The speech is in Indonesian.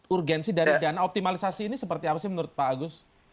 urgensi dari dana optimalisasi ini seperti apa sih menurut pak agus